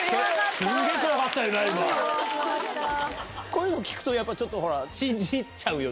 こういうの聞くとやっぱちょっと信じちゃうよな。